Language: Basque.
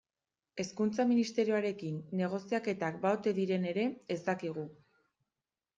Hezkuntza Ministerioarekin negoziaketak ba ote diren ere ez dakigu.